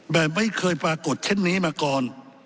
แบบไม่เคยปรากฏเช่นนี้มาก่อน